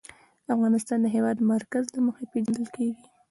افغانستان د د هېواد مرکز له مخې پېژندل کېږي.